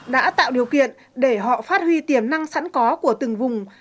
đã tạo điều kiện để họ phát huy tiềm năng sẵn có của từng vùng